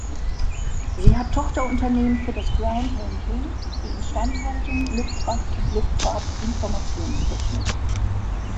Sie hat Tochterunternehmen für das Ground Handling, die Instandhaltung, Luftfracht und Luftfahrt-Informationstechnik.